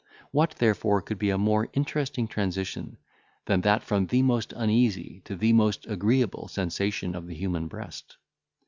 What therefore could be a more interesting transition than that from the most uneasy to the most agreeable sensation of the human breast?